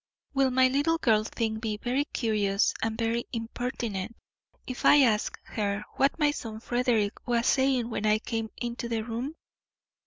"Will my little girl think me very curious and very impertinent if I ask her what my son Frederick was saying when I came into the room?"